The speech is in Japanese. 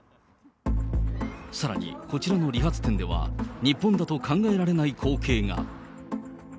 さらに、こちらの理髪店では、日本だと考えられない光景が。